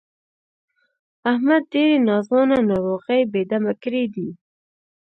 احمد ډېرې ناځوانه ناروغۍ بې دمه کړی دی.